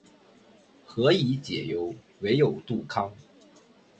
何以解忧，唯有杜康